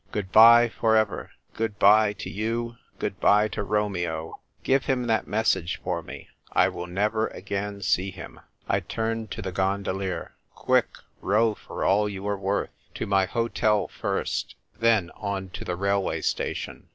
Good bye for ever ! Good bye to you ; good bye to Romeo. Give him that message for me ; I will never again see him." I turned to the gondolier. " Quick, row for all you are worth ! To my hotel first, then on to the railway station